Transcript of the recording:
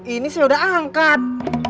ini saya udah angkat